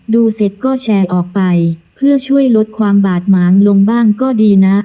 ดูเสร็จก็แชร์ออกไปเพื่อช่วยลดความบาดหมางลงบ้างก็ดีนะ